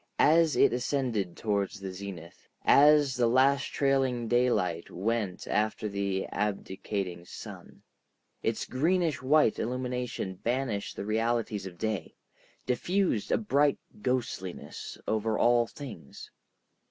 As it ascended toward the zenith, as the last trailing daylight went after the abdicating sun, its greenish white illumination banished the realities of day, diffused a bright ghostliness over all things.